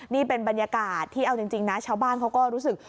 นี่เป็นบรรยากาศที่เอาจริงนะชาวบ้านเขาก็รู้สึก